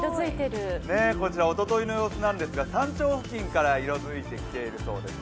こちらおとといの様子なんですが山頂付近から色づいているようです。